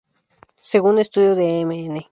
Según estudio de Mn.